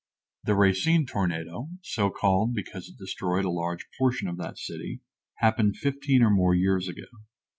The Racine tornado so called because it destroyed a large portion of that city happened fifteen or more years ago.